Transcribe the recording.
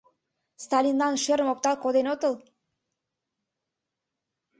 — Сталинлан шӧрым оптал коден отыл?